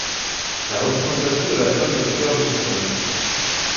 La représentation de la femme est au cœur de son œuvre.